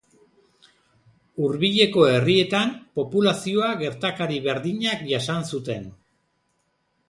Hurbileko herrietan populazioa gertakari berdinak jasan zuten.